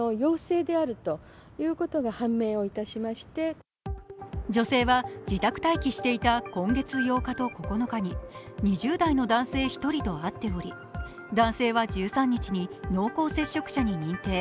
更に女性は自宅待機していた今月８日と９日に２０代の男性１人と会っており男性は１３日に濃厚接触者に認定。